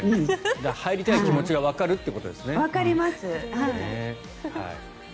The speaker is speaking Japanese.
入りたい気持ちがわかるということですね。